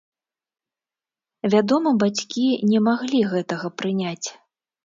Вядома, бацькі не маглі гэтага прыняць.